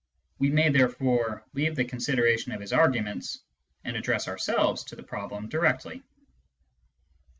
We may therefore leave the consideration of his arguments and address ourselves to the problem directly.